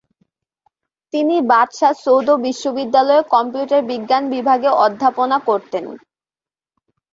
তিনি বাদশা সৌদ বিশ্ববিদ্যালয়ে কম্পিউটার বিজ্ঞান বিভাগে অধ্যাপনা করতেন।